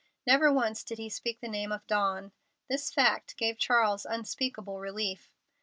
Never once did he speak the name of Dawn. This fact gave Charles unspeakable relief.